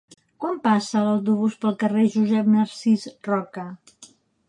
Quan passa l'autobús pel carrer Josep Narcís Roca?